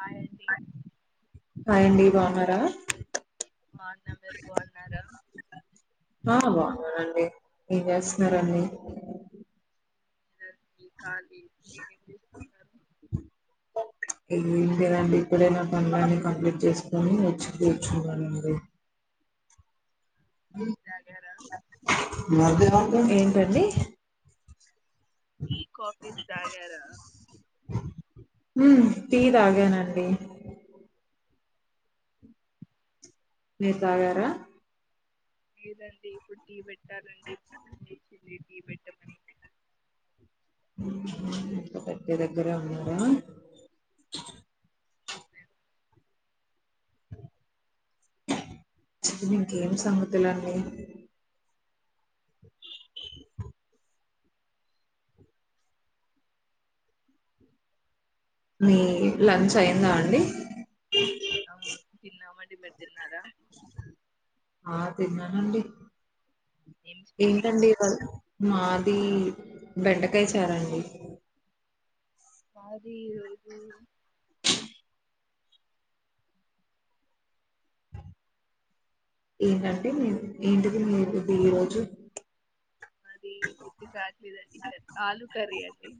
ఆ ఏంది హాయ్ అండి రాంగ్ అ ఆ బాగున్నాం మీరు బాగున్నారా ఆ బాగున్నానండి ఏం చేస్తున్నారండీ ఈ కాలీ మీరు ఏమి లేదంటి అలాంటే ఇప్పుడైనా పనులన్ని కంప్లీట్ చేసుకొని వచ్చి కూర్చున్నానండి తాగ్యారా ఏంటండి టీ కాఫీ తాగార హమ్ టీ తాగానండి మీరు తాగార లేదండి ఇప్పుడు టీ పెడు [unintelligible] ఇంకా పెట్టే దగ్గరే ఉన్నారా అవునా? ఇంకేం సంగుతులండి మీ లంచ్ అయిందా అండి తిన్నం మండి పెర్తున్నదా [unintelligible] ఆ తిన్నానండి ఏం స్పెషల్ ఏంటండి ఇ మా [unintelligible] బెండకాయ చారండి మాది ఈరోజు ఏంటంటే ఏంటిది మీది ఈరోజు మాది గుర్తి కావట్లేదండి ఆలూ కర్రీ అండి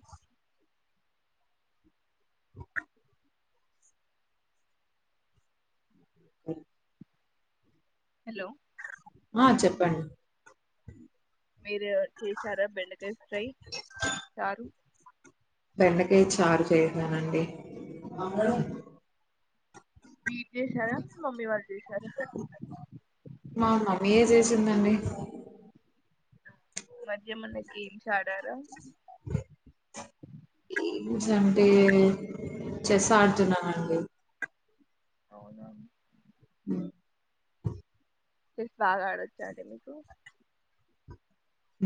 హలో ఆ చెప్పండి మీరు చేశారా బెండకాయ ఫ్రై సారు వెండక చారు చేసానండి బీద సార మమ వాళ్ళ మా మమ్మీయే చేసిందండి మధ్య మన్న గేమ్స్ ఆడారా స్ అంటే చెస్ ఆడుతున్నానండి అవునా హ్మ్. సి బాగా ఆడొచ్చాండి మీకు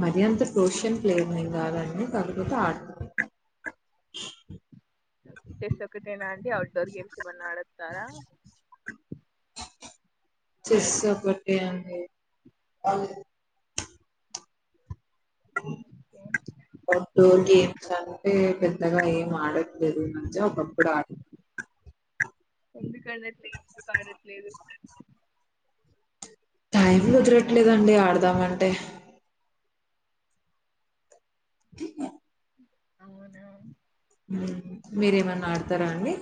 మరి అంత ప్రోషియన్ ప్లేర్మ కాదని తదుపత ఆడ చేసుకతేనా అ ఔట్ డర్ గేమ్స్ బన్నాడ సారా చెస్సబట్టటి అడి టో గప్స్ అగాయమాడు మ ఒక కప్పుడ ఎందుకు ఆడట్లేదు ఎందుకు ఆడట్లేదు టైం కుదరట్లేదండి ఆడదామంటే అవునా మీరేమైన్నా ఆడతారా అండి?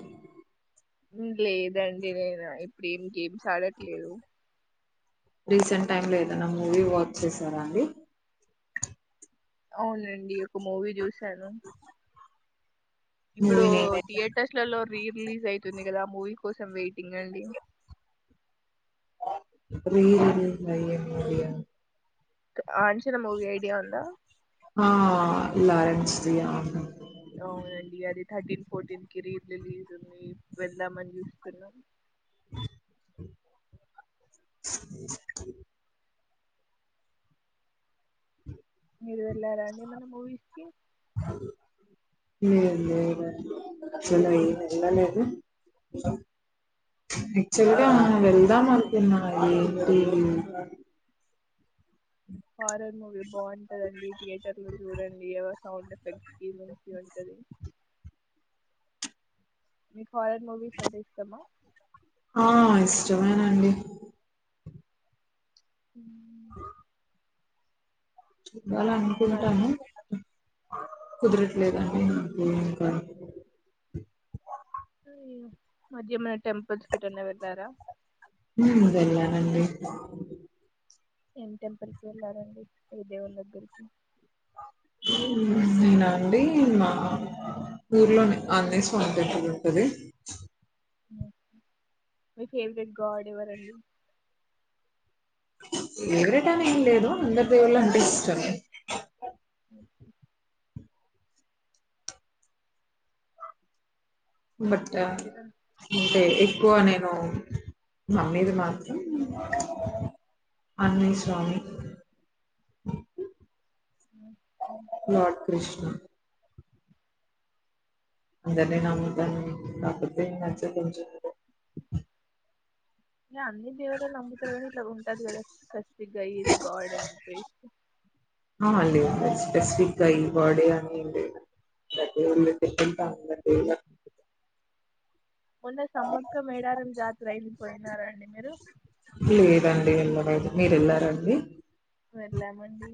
లేదండి నేనా ఇప్పుడు ఏం గేమ్స్ ఆడట్లేదు. రీసెంట్ టైమ్ లో ఏదైనా మూవీ వాచ్ చేసారా అండి? అవునండి మూవీ చూసాను ఇప్పుడు మూవీ నేమ్ ఏంటండి? థియేటర్స్లలో రీ రిలీజ్ అయ్తుంది కదా ఆ మూవీ కోసం వెయిట్ టింగ్ అండి రీ రిలీజ్ అయే మూవీ అన్ ఆచన మూవి ఐడియా ఉందా? లారెన్స్ [unintelligible] అవునండి అది థర్టీన్ ఫోర్టీన్ కి రీ రిలీజ్ ఉంది వెళ్దామని చూస్తున్నాం. మీర్ వెళ్ళారా అండి ఏమన్నా మూవీస్ కి లే లేదండి అసలు వెలాలేదు [unintelligible] వెళ్దాం అను తిన్నావా ఏం కూర [unintelligible] హారర్ మూవీ బాగుంటుదండి థియేటర్ లో చూడండి ఆ సౌండ్ ఎఫెక్ట్ ఫీలింగ్ ఫీ ఉంటది మిక్ హారర్ మూవీస్ అంటె ఇష్టమా? ఆ ఇష్టమేనాండి ఉమ్ [inaudible] గలా ఈ మధ్య అనుకుంటాను కుదరట్లేద అండి ఏ ఇంకా ఉమ్ మధ్య ఏమన్నా టెంపుల్స్కి ఎటు అన్న వెళ్ళారా? ఉమ్ వెళ్ళానండీ ఏం టెంపుల్ కి వెళ్ళారండి ఏ దేవుని దగ్గరికి నేనా అండి మా ఊర్లోనే అజనేయ స్వామి టెంటల్ ఉంటది మీ ఫేవరెట్ గాడ్ ఎవరండి? ఫేవరెట్ అని ఏం లేదు అందర్ దేవుళ్ళు అంటే ఇష్టంమే. బట్ ఇగ అంటే ఎక్కువ నేను మమ్మీది మాత్రం అన్నయా స్వామి అ ఉమ్ ఉమ్ కృష్ణ అందరినీ నముతను రాకతే నచ్చ కొంచ ఏ అన్ని దేవులను నమ్ముతారు, కానీ ఇట్లా ఉంటది కదా స్పెసిఫిక్ గా ఈ గాడ్ అని చెప్పేసి అ లేదు లే స్పెసిఫిక్ గా ఈ బాడీ అని ఎం లేదు ఎవరు మంచిగా కుడితే అ టైలర్ మొన్న సమ్మక్క మేడారం జాతర అయింది. పోయినార అండి మీరు దు మీరు వెళ్ళార అండి వెళ్ళామండి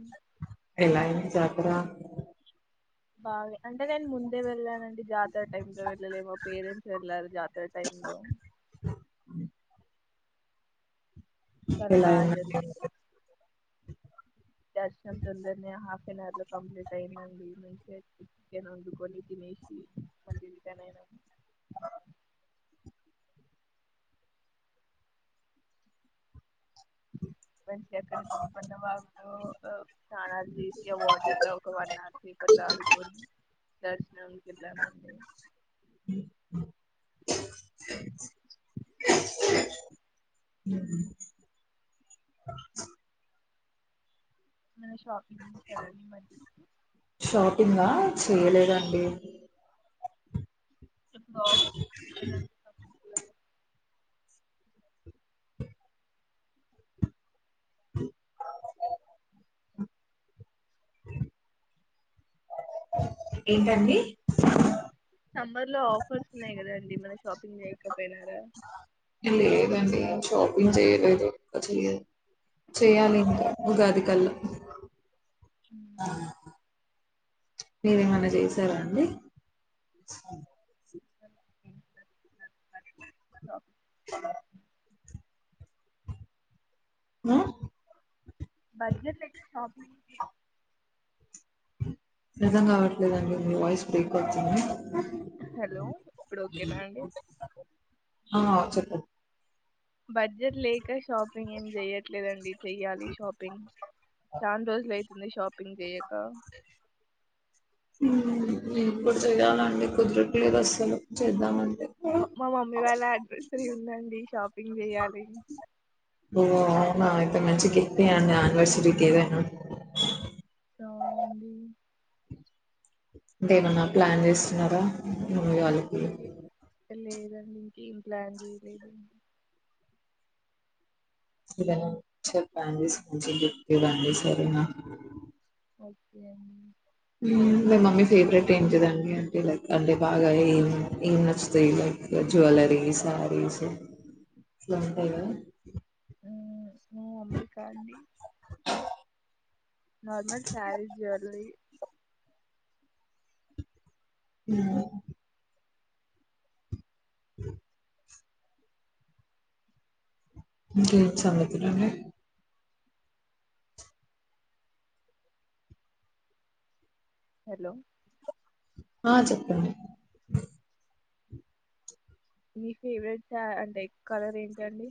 ఎలా అయింది జాతరా బాలే అంటే నేను ముందే వెళ్ళానండి, జాతర టైమ్ లో వెళ్ళలే మా పేరెంట్స్ వెళ్ళారు, జాతర టైమ్ లో చాలా ఎలా బాగా అయింది అండి జరిగింది ఆఫన్వర్లో కంప్లీట్ అయిందండి మంచి గా చికెన్ వండుకొని తినేసి మళ్ళీ రిట్రన్ అయినాం మంచి ఎక్కడ దింపన్న వాగులో స్నానాలు చేసి ఆ వాటర్ లో ఒక వన్ అవర్ పేపర్ లో ఆడుకొని దర్శనం బిర్లామందిర్ ఉహు నేను షాపిం సరే అండి మరి షాపింగ్ చేయలేదండి ఇప్పుడు ఆఫ్ కదండి [inaudible] ఏంటండి సమ్మర్లో లో ఆఫర్స్ ఉన్నాయి గదండి మనకి షాపింగ్ మేకప్ పోయినరా లేదండి షాపింగ్‌ చేయలేదు చెయ్ చేయాలి ఇంకా ఉగాది కళ్ళా అ ఉమ్. మీరేమన్నా చేసారాండి [inaudible] ఓకే మా బడ్జెట్ లేక షాపింగ్ అర్థం కావట్లే అండి మీ వాయిస్ బ్రేక్ అవుతుంది హలో ఇప్పుడు ఓకేనాండి ఆ చెప్పండి బడ్జెట్ లేక షాపింగ్ ఏమ్ చేయ్యట్లేదండి చెయ్యాలి షాపింగ్ చాన్ రోజులు అయితుంది షాప్ షాపింగ్‌ చెయ్యక మ్ ఇప్పుడు చేయాలండి కుదరట్లేదు అస్సలు చేద్దామం మా మమ్మీ వాళ్ళ అడ్రస్ ది ఉందండి. షాపింగ్ చేయాలి. ఓహ్! అయితే మంచి గిఫ్ట్ ఇయ్యండి. యానివర్సరీకి ఏదైనా అవునండి అంటే ఏమన్నా ప్లాన్ చేస్తున్నారా మీ వాళ్లకి లే లేదండి. ఇంకేం ప్లాన్ చేయలేదు అండి. ఇలా చెప్పండి మంచి గిఫ్ట్ ఇవ్వండి. సరేనా ఓకే అండి మీ మమ్మీ ఫేవరెట్ ఏంటిదండి. అంటే లైక్ అంటే బాగా ఏం ఏం నచ్చుతాయి. లైక్ జ్యువెలరీ శారీస్ అట్లా ఉంటాయి. గాదా. ఉ మా మమ్మీ క అండి. నార్మల్ శారీస్ జ్యువెలరీ ఉ ఇంకేం సంగతులు అండి హలో ఆ చెప్పండి. మీ ఫేవరెట్ సారీ అంటే కలర్ ఏంటండి.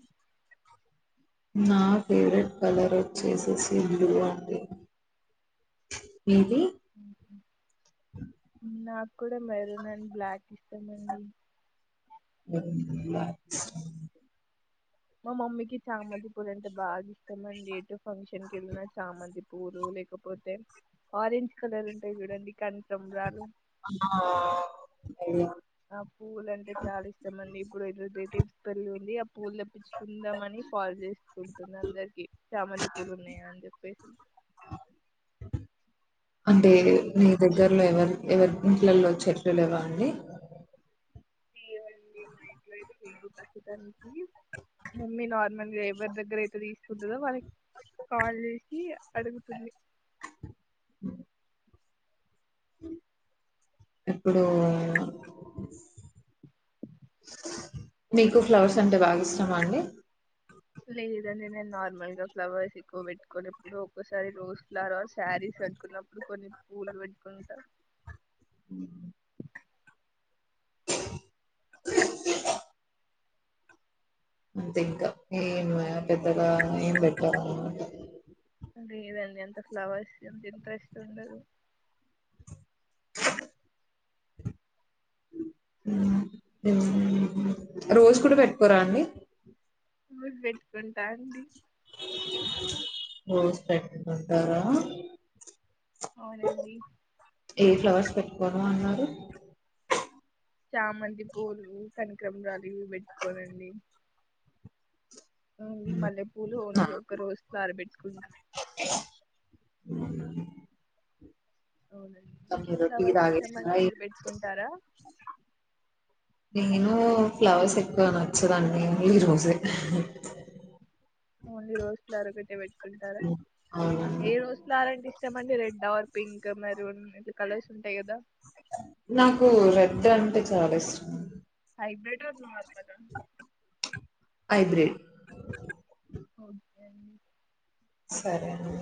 నా ఫేవరెట్ కలర్ వచ్చేసేసి బ్లూ అండి. మీది ఉహ్ నాకు కూడా మైరున్ అండ్ బ్లాక్ ఇష్టం అండి. [unintelligible] మా మమ్మీకి చామంతి పూలు అంటే బాగా ఇస్తామండి. ఏంటో ఫంక్షన్ కు వెళ్లిన చామంతి పూలు లేకపోతే ఆరెంజ్ కలర్ ఉంటాయి. చూడండి కన్ ఆ అయ్యో! ఆ పూవ్వుల అంటే చాలా ఇష్టంమండి. ఇప్పుడే రిలేటివ్స్ పెళ్లి ఉంది. ఆ పూలు తెప్పించుకుందామని కాల్ చేసుకుంటుంది. అందరికి చామంతి పూలు ఉన్నాయా అని చెప్పేసి అంటే మీ దగ్గరలో ఎవరు ఎవరి ఇంట్లల్లో చెట్లు లేవ్వ అండి. లేవు అండి. మా ఇంట్లో అయితే లేవు ప్రస్తుతానికి మమ్మీ నార్మల్ల్ గ ఏప్ ఎవరి దగ్గర అయితే తీసుకుంటదో వాళ్ళకి కాల్ జేసి అడుగుతుంది. ఇప్పుడు మీకు ఫ్లవర్స్ అంటే బాగా ఇష్టామా అండి. లే లేదండి నేను నార్మల్ గా ఫ్లవర్స్ ఎక్కువ పెట్టుకోను ఏప్పుడో ఒక్కసారి రోజ్ ఫ్లవర్ శారీస్ పెట్టుకున్నప్పుడు. కొన్ని పూలు పెట్టుకుంటా అంతే ఇంకా ఏం పెద్దగా ఏం పెట్టరు. అన్నమాట అ లేదండి అంత ఫ్లవర్స్ అంత ఇంట్రెస్ట్ ఉండదు. రోజ్ కూడా పెట్టుకోరా అండి. పూలు పెట్టుకుంటా అండి. రోజ్ పెట్టుకుంటారా అవునండి. ఏ ఫ్లవర్స్ పెట్టుకోను అన్నారు. చామంతి పూలు కనకమ్రాలు ఇవి పెట్టుకోనండి. ఓన్లీ మల్లెపూలు ఓన్లీ నా ఒక రోజోక సారిపెట్టుకుంటా అ అవునండి మీకేం ఫ్లవర్స్ ఇష్టం తాగేసిన అండి మీరు పెట్టుకుంటారా నేను ఫ్లవర్స్ ఎక్కువ నచ్చదండి ఈ రోజే ఓన్లీ రోజ్ ఫ్లవర్ ఒక్కటే పెట్ కుంటారా హ్మ్. అవునండి ఏ రోజ్ ఫ్లవర్ అంటే ఇష్టమండి రెడ్ అర్ పింక్ మెరూన్ ఇంక కలర్స్ ఉంటాయి కదా నాకు రేడ్ అంటే చాలా ఇష్టం. Hybrid or not hybrid okay అండి. సరే అండి.